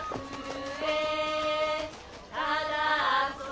「ただ遊べ」